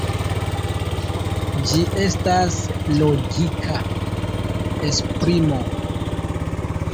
Ĝi estas logika esprimo.